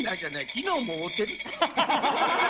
昨日もおうてるし。